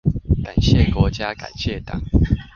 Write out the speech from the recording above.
感謝國家感謝黨